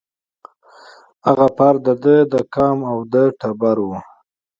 هغه پر د ده د قام او د ټبر وو